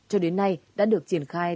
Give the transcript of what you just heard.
cho đến nay đã được triển khai